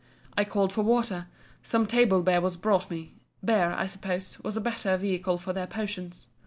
I called for water: some table beer was brought me: beer, I suppose, was a better vehicle for their potions.